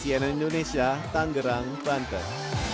diriqitan sienna indonesia tangerang pantai